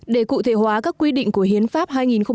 để cụ thể hóa các quy định của hiến pháp hai nghìn một mươi ba